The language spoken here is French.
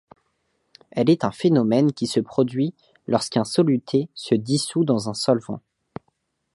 Elle est un phénomène qui se produit lorsqu'un soluté se dissout dans un solvant.